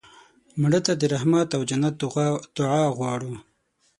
مړه ته د رحمت او جنت دعا غواړو